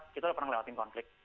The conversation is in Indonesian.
kita pernah lewati konflik